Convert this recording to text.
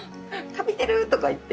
「カビてる」とか言って。